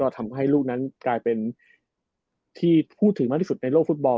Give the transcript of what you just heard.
ทำให้ลูกนั้นกลายเป็นที่พูดถึงมากที่สุดในโลกฟุตบอล